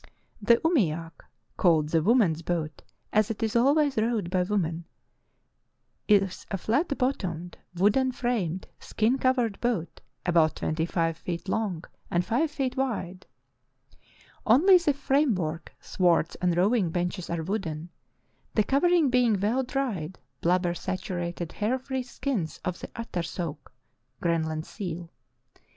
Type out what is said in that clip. The umiak (called the woman's boat, as it is always rowed by women) is a flat bottomed, wooden framed, skin covered boat about twenty five feet long and five feet wide. Only the framework, thwarts, and rowing 1 he Inuit Survivors of the Stone Age 339 benches are wooden, the covering being well dried, blubber saturated, hair free skins of the atarsoak (Greenland seal).